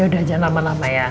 yaudah jangan lama lama ya